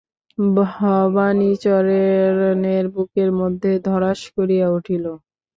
ভবানীচরণের বুকের মধ্যে ধড়াস করিয়া উঠিল।